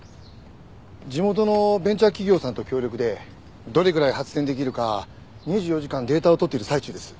地元のベンチャー企業さんと協力でどれぐらい発電できるか２４時間データを取っている最中です。